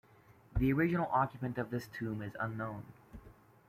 The original occupant of this tomb is unknown.